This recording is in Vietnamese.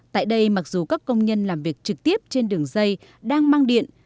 tại đây mặc dù các công nhân làm việc trực tiếp trên đường dây đang mang điện